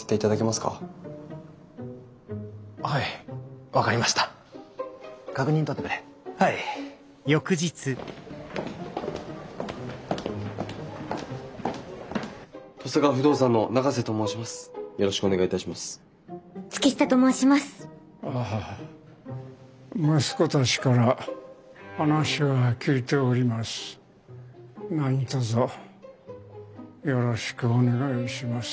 何とぞよろしくお願いします。